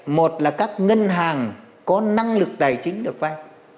một là các ngân hàng có năng lực tài chính được vay